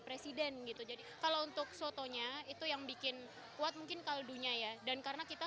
presiden gitu jadi kalau untuk sotonya itu yang bikin kuat mungkin kaldunya ya dan karena kita